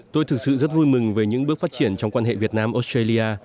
tôi thực sự rất vui mừng về những bước phát triển trong quan hệ việt nam australia